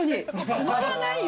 止まらないよね。